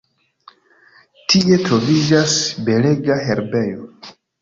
Tie troviĝas belega herbejo.